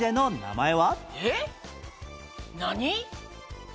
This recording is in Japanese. えっ何？